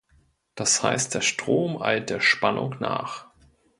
Das heißt, der Strom eilt der Spannung nach.